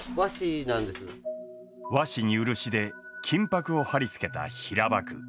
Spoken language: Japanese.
和紙に漆で金箔を貼り付けた平箔。